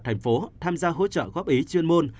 thành phố tham gia hỗ trợ góp ý chuyên môn